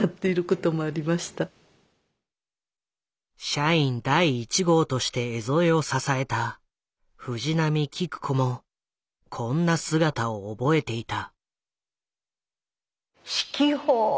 社員第１号として江副を支えた藤波喜久子もこんな姿を覚えていた。